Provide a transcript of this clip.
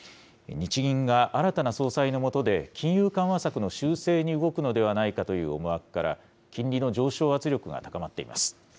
日銀が新たな総裁の下で、金融緩和策の修正に動くのではないかという思惑から、金利の上昇圧力が高まっています。